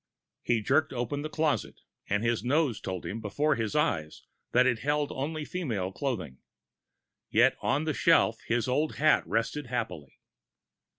He jerked open the closet, and his nose told him before his eyes that it held only female clothing! Yet on the shelf his old hat rested happily.